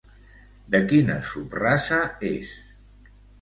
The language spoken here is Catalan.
De quina subraça és?